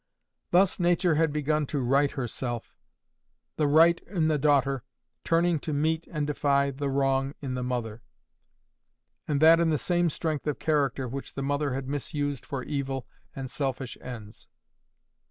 Thus Nature had begun to right herself—the right in the daughter turning to meet and defy the wrong in the mother, and that in the same strength of character which the mother had misused for evil and selfish ends.